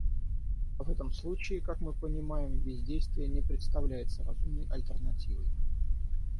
А в этом случае, как мы понимаем, бездействие не представляется разумной альтернативой.